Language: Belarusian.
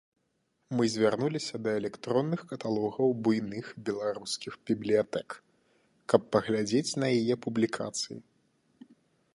Мы звярнуліся да электронных каталогаў буйных беларускіх бібліятэк, каб паглядзець на яе публікацыі.